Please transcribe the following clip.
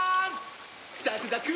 ザクザク！